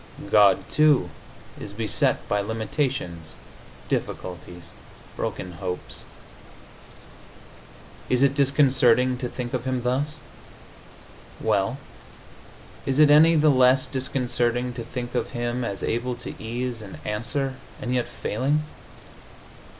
God, too, is beset by limitations, difficulties, broken hopes. Is it disconcerting to think of Him thus? Well, is it any the less disconcerting to think of Him as able to ease and answer, and yet failing?...